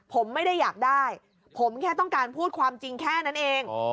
ผมไม่ได้อยากได้ผมแค่ต้องการพูดความจริงแค่นั้นเอง